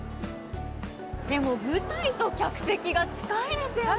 でも舞台と客席が近いですよね。